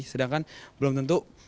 sedangkan belum tentu